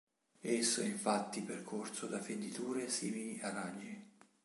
Esso è infatti percorso da fenditure simili a raggi.